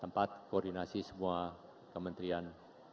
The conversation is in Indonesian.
tempat koordinasi semua kementerian